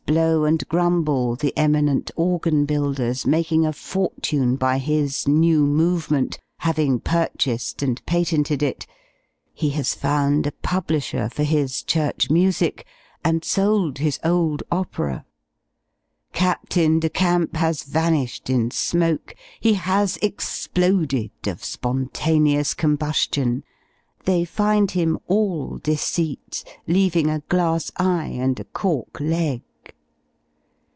Blow and Grumble, the eminent organ builders, making a fortune by his "new movement;" having purchased and patented it: he has found a publisher for his church music, and sold his old opera. Captain de Camp has vanished in smoke he has exploded of spontaneous combustion, they find him all deceit, leaving a glass eye and a cork leg.